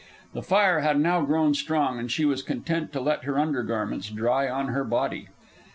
The fire had now grown strong, and she was content to let her under garments dry on her body.